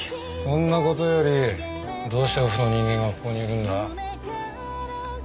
そんなことよりどうしてオフの人間がここにいるんだ？